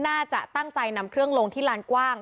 น่าจะตั้งใจนำเครื่องลงที่ลานกว้าง